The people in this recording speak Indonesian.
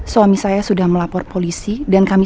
suami saya sudah melapor polisi dan kami